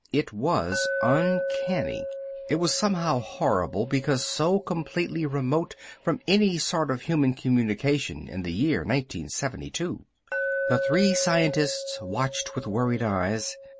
It was uncanny. It was somehow horrible because so completely remote from any sort of human communication in the year 1972. The three scientists watched with worried eyes.